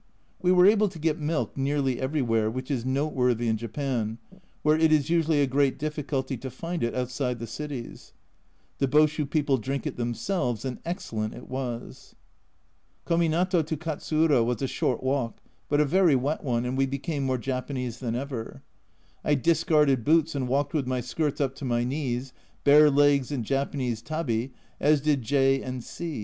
We were able to get milk nearly everywhere, which is noteworthy in Japan, where it is usually a great difficulty to find it outside the cities. The Boshu people drink it themselves, and excellent it was. Kominato to Katsuura was a short walk, but a very wet one, and we became more Japanese than ever. I discarded boots and walked with my skirts up to my knees, bare legs and Japanese tabi, as did J and C